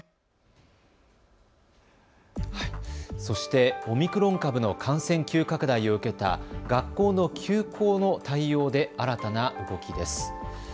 そしてオミクロン株の感染急拡大を受けた学校の休校の対応で新たな動きです。